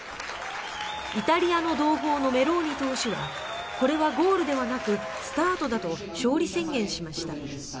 イタリアの同胞のメローニ党首はこれはゴールではなくスタートだと勝利宣言しました。